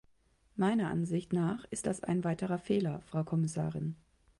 Meiner Ansicht nach ist das ein weiterer Fehler, Frau Kommissarin.